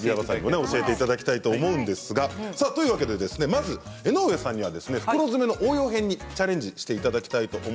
まず、江上さんには袋詰めの応用編にチャレンジしていただきます。